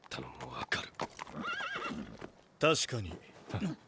確かに。